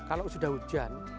kalau sudah hujan